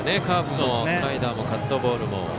カーブもスライダーもカットボールも。